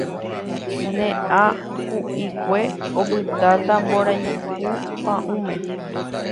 Ne ã ku'ikue opytáta mborayhu pa'ũme